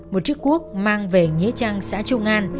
một chiếc cuốc mang về nghĩa trang xã trung an